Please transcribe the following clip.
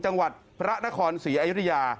จังหวัดพระเยาะฆรษีอายุทยา